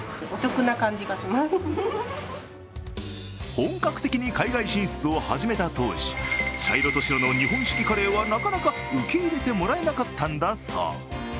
本格的に海外進出を始めた当初、茶色と白の日本式カレーはなかなか受け入れてもらえなかったんだそう。